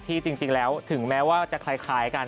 จริงแล้วถึงแม้ว่าจะคล้ายกัน